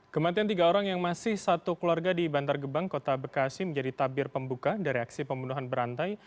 kematian tiga orang yang masih satu keluarga di bantar gebang kota bekasi menjadi tabir pembuka dari aksi pembunuhan berantai